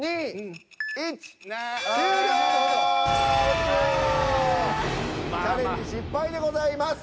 チャレンジ失敗でございます。